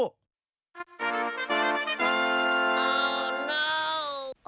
อ้าวน้าว